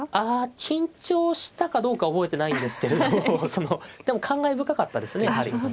あ緊張したかどうか覚えてないんですけれどでも感慨深かったですねやはり。